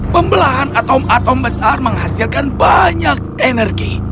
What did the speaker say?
pembelahan atom atom besar menghasilkan banyak energi